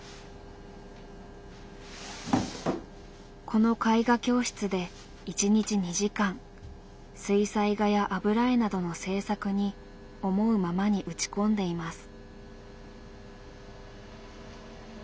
この絵画教室で一日２時間水彩画や油絵などの制作に思うままに打ち込んでいます。